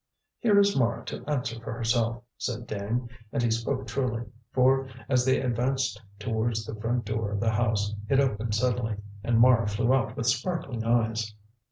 "Here is Mara to answer for herself," said Dane, and he spoke truly, for as they advanced towards the front door of the house, it opened suddenly and Mara flew out with sparkling eyes.